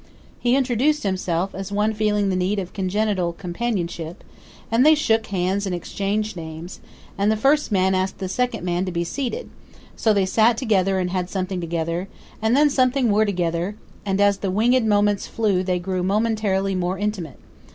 He introduced himself as one feeling the need of congenial companionship, and they shook hands and exchanged names, and the first man asked the second man to be seated; so they sat together and had something together, and then something more together; and as the winged moments flew they grew momentarily more intimate.